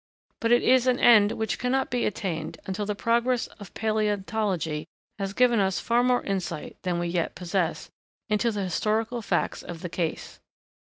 But it is an end which cannot be attained until the progress of palæontology has given us far more insight than we yet possess, into the historical facts of the case.